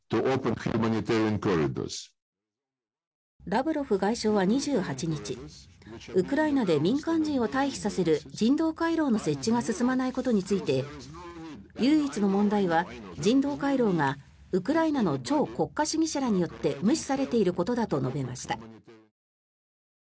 ラブロフ外相は２８日ウクライナで民間人を退避させる人道回廊の設置が進まないことについて唯一の問題は人道回廊がウクライナの超国家主義者らによって無視されていることだと述べました。